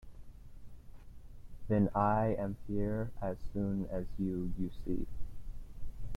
Then I am here as soon as you, you see.